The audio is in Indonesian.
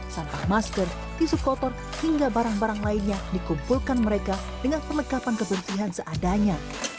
sampah masker tisu kotor hingga barang barang lainnya dikumpulkan mereka dengan perlengkapan kebersihan seadanya